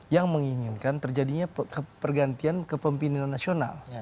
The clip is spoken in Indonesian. yang menginginkan terjadinya pergantian kepemimpinan nasional